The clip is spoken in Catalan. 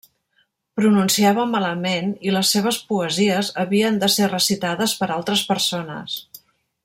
Pronunciava malament i les seves poesies havien de ser recitades per altres persones.